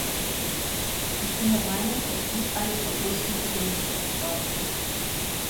Ich bin der Meinung, dass dies eines der größten Probleme für uns war.